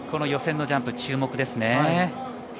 予選のジャンプ注目ですね。